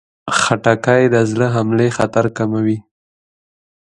خټکی د زړه حملې خطر کموي.